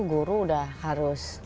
guru udah harus